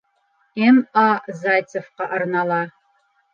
М.А. Зайцевҡа арнала